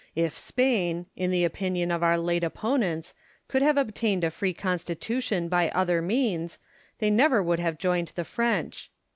If Spain, in the opinion of our late opponents, could have obtained a free Constitution by other means, they never would have joined the French.